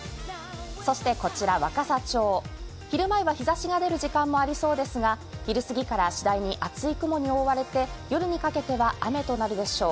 そして、こちら若桜町、昼前は日ざしが出る時間もありそうですが昼過ぎから次第に厚い雲に覆われて夜にかけては雨となるでしょう。